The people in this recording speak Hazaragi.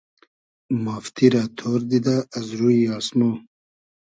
مافتی رۂ تۉر دیدۂ از روی آسمۉ